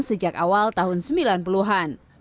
sejak awal tahun sembilan puluh an